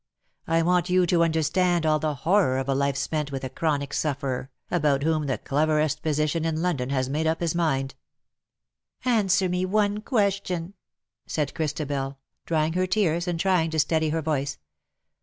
I want you to understand all the horror of a life spent with a chronic sufferer, about whom the cleverest physician in London has made up his mind/'' "Answer me one question,^^ said Christabel, drying her tears, and trying to steady her voice.